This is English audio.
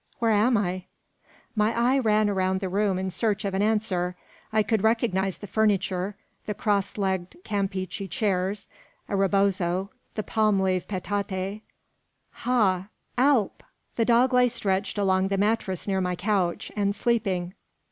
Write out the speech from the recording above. "Where am I?" My eye ran around the room in search of an answer. I could recognise the furniture: the cross legged Campeachy chairs, a rebozo, the palm leaf petate. "Ha, Alp!" The dog lay stretched along the mattress near my couch, and sleeping.